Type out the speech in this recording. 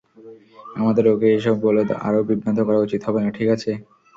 আমাদের ওকে এসব বলে আরও বিভ্রান্ত করা উচিত হবে না, ঠিক আছে?